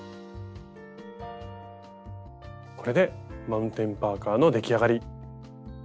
これでマウンテンパーカーの出来上がり！